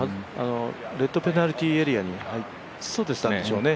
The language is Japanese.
レッドペナルティーエリアに入ったんでしょうね。